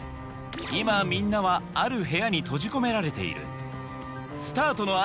今みんなはある部屋に閉じ込められている。